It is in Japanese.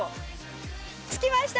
つきました